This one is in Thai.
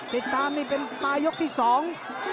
ติดตามนี่เป็นปลายยกที่สอง